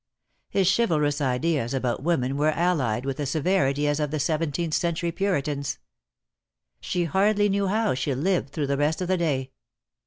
His chivalrous ideas about women were allied with a severity as of the seventeenth century Puritans. She hardly knew how she lived through the rest of the day.